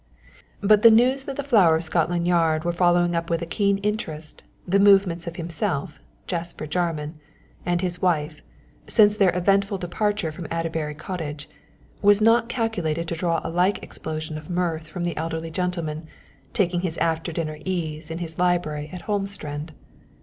But the news that the flower of Scotland Yard were following up with a keen interest the movements of himself, Jasper Jarman, and his wife since their eventful departure from Adderbury Cottage was not calculated to draw a like explosion of mirth from the elderly gentleman taking his after dinner ease in his library at "Holmstrand."